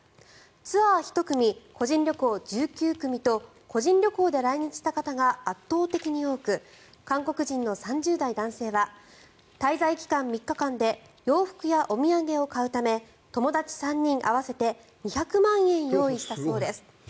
ツアー１組、個人旅行１９組と個人旅行で来日した方が圧倒的に多く韓国人の３０代男性は滞在期間３日間で洋服やお土産を買うため友達３人合わせて２００万円用意したそうです。